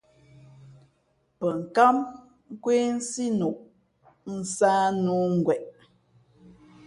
Pαnkǎm nkwésí noʼ, nsāh nʉ̌ ngweʼ.